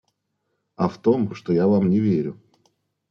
А в том, что я Вам не верю.